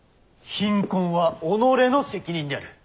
貧困は己の責任である。